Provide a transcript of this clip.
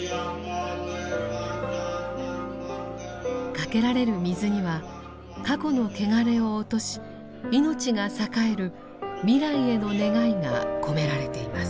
かけられる水には過去の汚れを落とし命が栄える未来への願いが込められています。